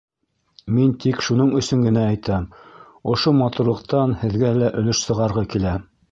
Мин тик шуның өсөн генә әйтәм: ошо матурлыҡтан һеҙгә лә өлөш сығарғы килә.